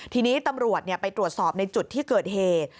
ทีนี้ตำรวจไปตรวจสอบในจุดที่เกิดเหตุ